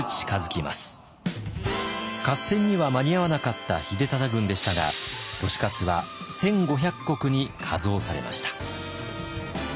合戦には間に合わなかった秀忠軍でしたが利勝は１，５００石に加増されました。